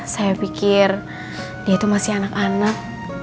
saya pikir dia itu masih anak anak